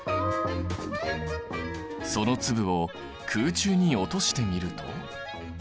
その粒を空中に落としてみると。